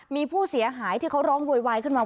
มีผู้เสียหายที่เขาร้องโวยวายขึ้นมา